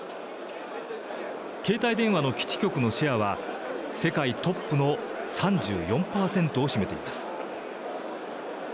携帯電話の基地局のシェアは世界トップの３４％を占めています。